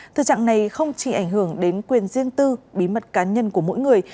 thực trạng này không chỉ ảnh hưởng đến quyền riêng tư bí mật cá nhân của mỗi người